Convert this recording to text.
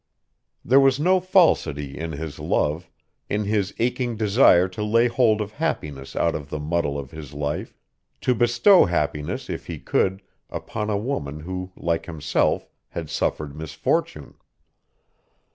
There was no falsity in his love, in his aching desire to lay hold of happiness out of the muddle of his life, to bestow happiness if he could upon a woman who like himself had suffered misfortune.